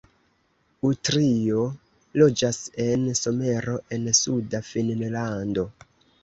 Utrio loĝas en Somero en suda Finnlando.